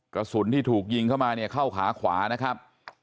กระสุนที่ถูกยิงเข้ามาเนี่ยเข้าขาขวานะครับ